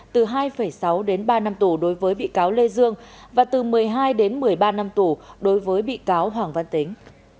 từ hai sáu đến ba năm tù đối với bị cáo lê dương và từ một mươi hai đến một mươi ba năm tù đối với bị cáo hoàng văn tính